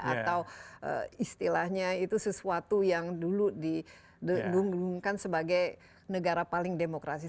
atau istilahnya itu sesuatu yang dulu didengungkan sebagai negara paling demokrasi